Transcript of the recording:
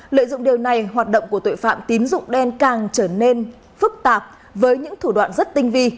lợi dụng điều này hoạt động của tội phạm tín dụng đen càng trở nên phức tạp với những thủ đoạn rất tinh vi